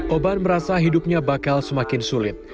oban merasa hidupnya bakal semakin sulit